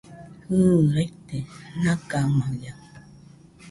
Jɨ, raite nagamaiaɨ